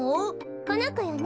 このこよね？